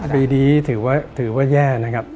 ปีนี้ถือว่าแย่นะครับ